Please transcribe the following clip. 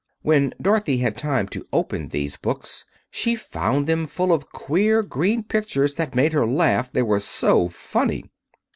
When Dorothy had time to open these books she found them full of queer green pictures that made her laugh, they were so funny.